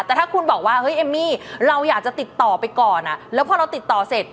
แต่ถ้าคุณบอกว่าเฮ้ยเอมมี่เราอยากจะติดต่อไปก่อนอ่ะแล้วพอเราติดต่อเสร็จ